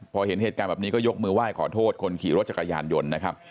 พอเห็นเหตุการณ์แบบนี้ก็ยกมือไหว้ขอโทษคนขี่รถจักรยานยนต์นะครับ